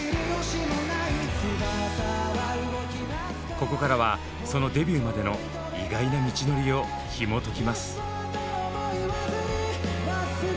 ここからはそのデビューまでの意外な道のりをひもときます。